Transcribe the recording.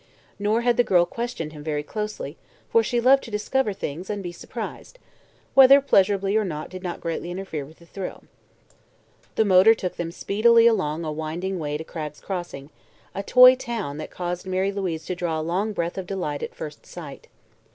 Nor had the girl questioned him very closely, for she loved to "discover things" and be surprised whether pleasurably or not did not greatly interfere with the thrill. The motor took them speedily along a winding way to Cragg's Crossing, a toy town that caused Mary Louise to draw a long breath of delight at first sight.